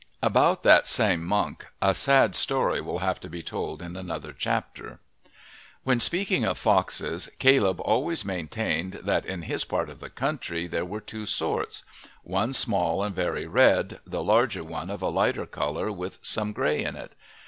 About that same Monk a sad story will have to be told in another chapter. When speaking of foxes Caleb always maintained that in his part of the country there were two sorts: one small and very red, the larger one of a lighter colour with some grey in it.